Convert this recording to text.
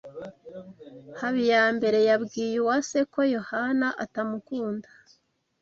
Habiyambere yabwiye Uwase ko Yohana atamukunda.